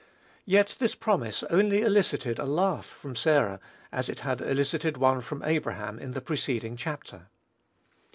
Yet this promise only elicited a laugh from Sarah, as it had elicited one from Abraham in the preceding chapter.